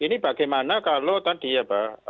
ini bagaimana kalau tadi ya pak